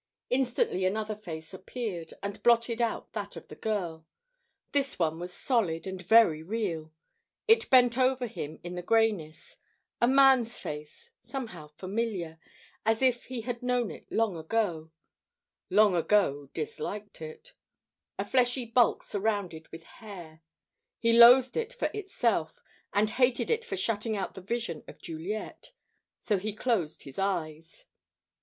Instantly another face appeared, and blotted out that of the girl. This one was solid and very real. It bent over him in the greyness: a man's face, somehow familiar, as if he had known it long ago long ago disliked it: a fleshy bulk surrounded with hair. He loathed it for itself, and hated it for shutting out the vision of Juliet, so he closed his eyes.